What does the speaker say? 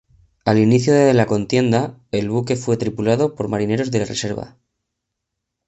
Al inicio de la contienda, el buque fue tripulado por marinos de la reserva.